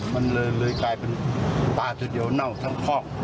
มันเลยกลายเป็นปลาทีเดียวเน่าทั้งคอก